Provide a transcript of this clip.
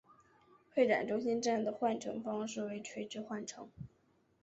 会展中心站的换乘方式为垂直换乘。